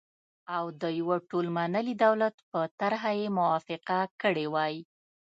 او د يوه ټول منلي دولت په طرحه یې موافقه کړې وای،